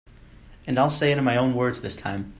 And I'll say it in my own words this time.